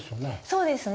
そうですね。